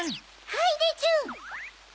はいでちゅ！